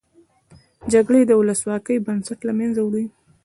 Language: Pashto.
جګړې د ولسواکۍ بنسټ له مینځه یوړ.